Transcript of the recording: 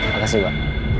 terima kasih pak